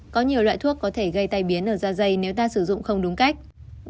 có nhiều loại thuốc có thể gây tai biến ở dạ dày nếu ta sử dụng không đúng cách